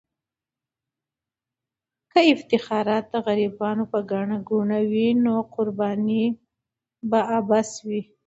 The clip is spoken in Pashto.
که افتخارات د غریبانو په ګټه نه وي، نو قرباني به عبث وي.